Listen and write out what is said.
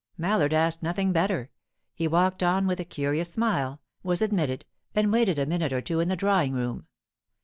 Mallard asked nothing better. He walked on with a curious smile, was admitted, and waited a minute or two in the drawing room.